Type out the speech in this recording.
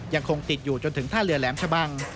ยังคงติดอยู่จนถึงท่าเรือแหลมชะบัง